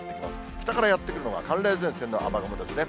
北からやって来るのは寒冷前線の雨雲ですね。